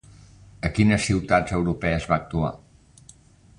A quines ciutats europees va actuar?